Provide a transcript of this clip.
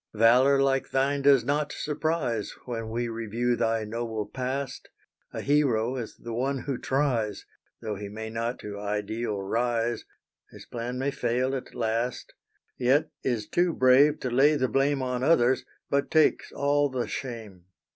Valor like thine does not surprise When we review thy noble past; A hero is the one who tries, Though he may not to ideal rise His plan may fail at last Yet is too brave to lay the blame On others, but takes all the shame.